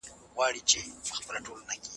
تر نګین مي اېران لاندي شاهانه ځم